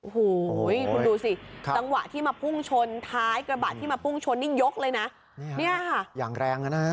โอ้โหคุณดูสิจังหวะที่มาพุ่งชนท้ายกระบะที่มาพุ่งชนนี่ยกเลยนะเนี่ยค่ะอย่างแรงอ่ะนะ